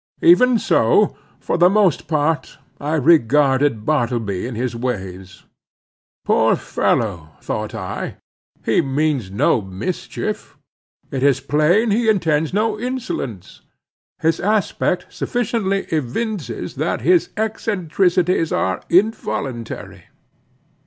Even so, for the most part, I regarded Bartleby and his ways. Poor fellow! thought I, he means no mischief; it is plain he intends no insolence; his aspect sufficiently evinces that his eccentricities are involuntary.